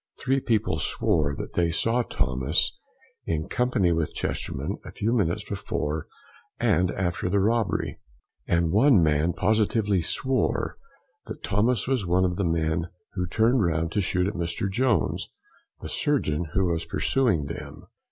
Three people swore that they saw Thomas in company with Chesterman a few minutes before and after the robbery, and one man positively swore that Thomas was one of the men who turned round to shoot at Mr. Jones, the Surgeon, who was pursuing them.